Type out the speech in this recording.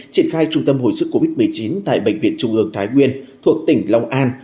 triển khai trung tâm hồi sức covid một mươi chín tại bệnh viện trung ương thái nguyên thuộc tỉnh long an